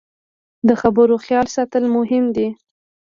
د خبرو خیال ساتل مهم دي